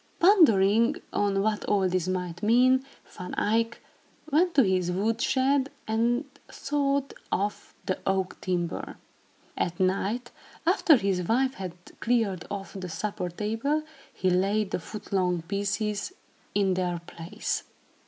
Pondering on what all this might mean, Van Eyck went to his wood shed and sawed off the oak timber. At night, after his wife had cleared off the supper table, he laid the foot long pieces in their place.